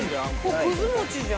くず団子じゃん。